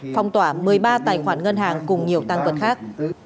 phong tỏa một mươi ba tài khoản ngân hàng cùng nhiều tăng vật khác